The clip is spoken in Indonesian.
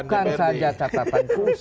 bukan saja catatan khusus